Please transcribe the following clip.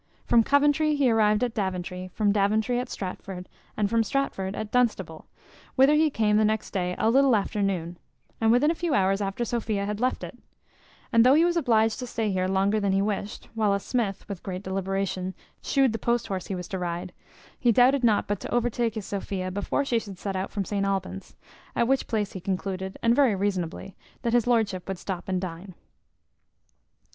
From Coventry he arrived at Daventry, from Daventry at Stratford, and from Stratford at Dunstable, whither he came the next day a little after noon, and within a few hours after Sophia had left it; and though he was obliged to stay here longer than he wished, while a smith, with great deliberation, shoed the post horse he was to ride, he doubted not but to overtake his Sophia before she should set out from St Albans; at which place he concluded, and very reasonably, that his lordship would stop and dine.